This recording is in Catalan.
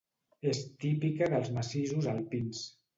És típica dels massissos alpins.